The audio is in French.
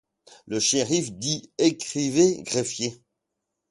Le shériff dit: — Écrivez, greffier.